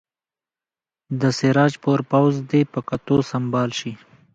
د سراج پور پوځ دې په قطعو سمبال شي.